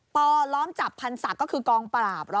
ล้อมจับพันธ์ศักดิ์ก็คือกองปราบ